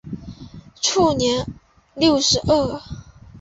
卒年六十二。